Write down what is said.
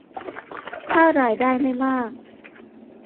ถ้ารายได้ไม่มาก